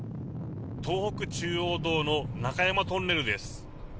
東北中央道の中山トンネルです。